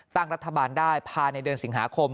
ตั้งรัฐบาลได้ภายในเดือนสิงหาคม